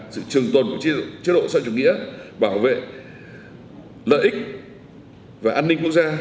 sự trường tồn của chế độ xã hội chủ nghĩa bảo vệ lợi ích và an ninh quốc gia